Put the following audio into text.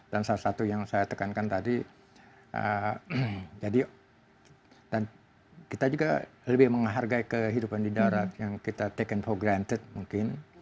dan salah satu yang saya tekankan tadi kita juga lebih menghargai kehidupan di darat yang kita taken for granted mungkin